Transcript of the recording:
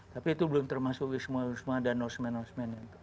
tapi itu belum termasuk wisma dan norseman norseman